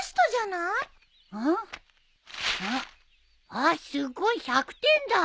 あっすごい１００点だ！